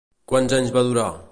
Quants anys va durar?